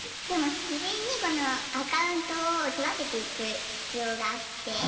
でも事前にこのアカウントを育てていく必要があって。